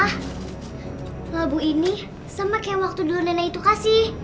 kalau bu ini sama kayak waktu dulu nenek itu kasih